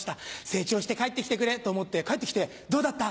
成長して帰って来てくれと思って帰って来て「どうだった？